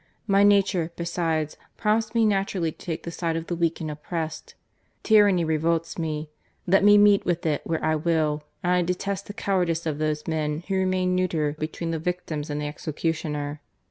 My nature, besides, prompts me naturally to take the side of the weak and oppressed. Tyranny revolts me, let me meet with it where I will, and I detest the cowardice of those men who remain neuter between the victims and the execu tioner."